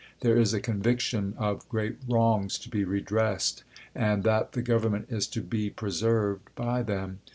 There is a conviction of great wrongs to be redi*essed, and that the Government is to be preserved by them.